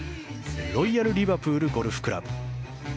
ロイヤル・リバプールゴルフクラブ。